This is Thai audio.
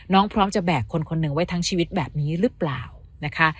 พร้อมจะแบกคนคนหนึ่งไว้ทั้งชีวิตแบบนี้หรือเปล่านะคะ